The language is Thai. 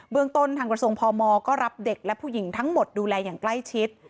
เมืองต้นทางกระทรวงพมก็รับเด็กและผู้หญิงทั้งหมดดูแลอย่างใกล้ชิด